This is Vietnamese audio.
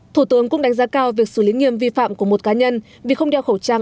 thủ tướng cũng đánh giá cao việc xử lý nghiêm vi phạm của một cá nhân vì không đeo khẩu trang